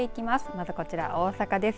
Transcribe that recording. まずこちらは大阪です。